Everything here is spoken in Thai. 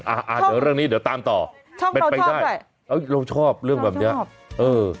อ่าอ่าเดี๋ยวเรื่องนี้เดี๋ยวตามต่อชอบเราชอบเราชอบเรื่องแบบเนี้ยเออ